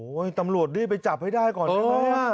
โอ้โฮตำรวจดีไปจับให้ได้ก่อนนะ